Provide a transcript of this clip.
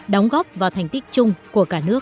đóng góp vào thành tích chung của cả nước